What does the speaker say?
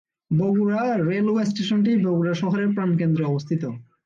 Bogura railway স্টেশনটি বগুড়া শহরের প্রাণকেন্দ্রে অবস্থিত।